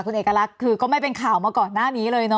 คุณเอกลักษณ์คือก็ไม่เป็นข่าวมาก่อนหน้านี้เลยเนอ